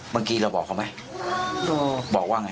บางทีเราบอกเขาไหมบอกว่าไง